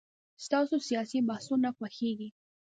ستاسو سياسي بحثونه خوښيږي.